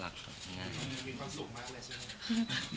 มีความสุข